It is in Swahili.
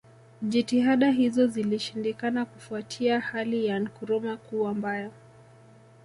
Jitihada hizo zilishindikana kufuatia hali ya Nkrumah Kuwa mbaya